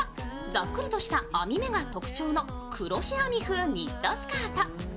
ざっくりとした網目が特徴のクロシェ編み風ニットスカート。